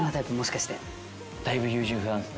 だいぶ優柔不断っすね。